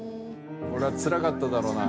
これはつらかっただろうな。